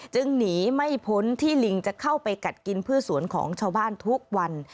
หนีไม่พ้นที่ลิงจะเข้าไปกัดกินพืชสวนของชาวบ้านทุกวัน